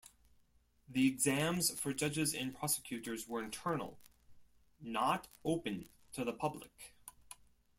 The exams for judges and prosecutors were internal, not open to the public.